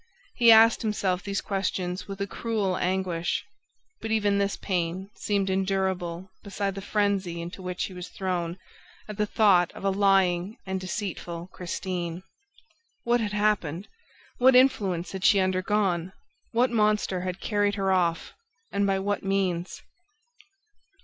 He asked himself these questions with a cruel anguish; but even this pain seemed endurable beside the frenzy into which he was thrown at the thought of a lying and deceitful Christine. What had happened? What influence had she undergone? What monster had carried her off and by what means?